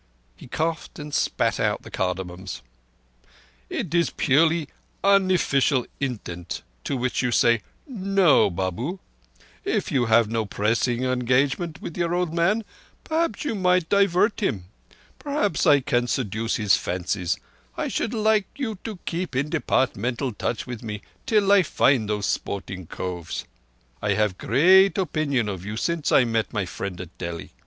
He coughed and spat out the cardamoms. "It is purely unoffeecial indent, to which you can say 'No, Babu'. If you have no pressing engagement with your old man—perhaps you might divert him; perhaps I can seduce his fancies—I should like you to keep in Departmental touch with me till I find those sporting coves. I have great opeenion of you since I met my friend at Delhi.